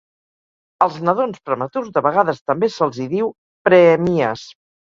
Als nadons prematurs de vegades també se'ls hi diu "preemies".